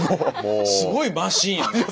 すごいマシーンやね。